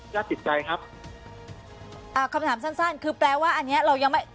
ญาติติดใจครับอ่าคำถามสั้นสั้นคือแปลว่าอันเนี้ยเรายังไม่